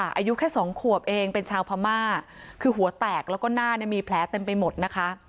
อายุแค่สองขวบเองเป็นชาวพม่าคือหัวแตกแล้วก็หน้าเนี่ยมีแผลเต็มไปหมดนะคะ